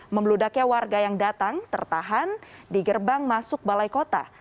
membeludaknya warga yang datang tertahan di gerbang masuk balai kota